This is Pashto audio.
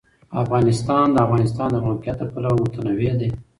افغانستان د د افغانستان د موقعیت له پلوه متنوع دی.